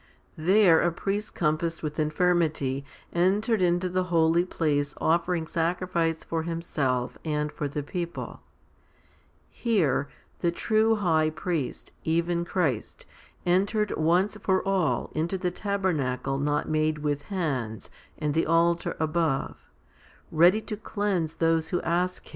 5. There a priest compassed with infirmity 3 entered into the holy place offering sacrifice for himself and for the people ; here the true High Priest, even Christ, entered once for all into the tabernacle not made with hands and the altar above, ready to cleanse those who ask